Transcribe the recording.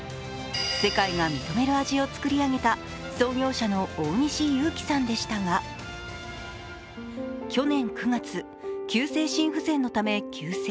世界が認める味を作り上げた創業者の大西祐貴さんでしたが去年９月、急性心不全のため急逝。